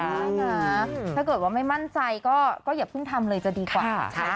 ได้นะถ้าเกิดว่าไม่มั่นใจก็อย่าเพิ่งทำเลยจะดีกว่านะ